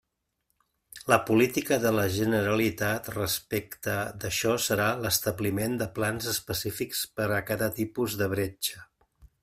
La política de la Generalitat respecte d'això serà l'establiment de plans específics per a cada tipus de bretxa.